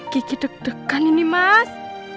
kici deg degan ini mas